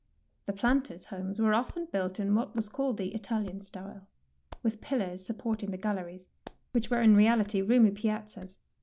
The planters' homes were often built in what was called the "Italian style," with pillars supporting the galleries, which were in reality roomy piazzas.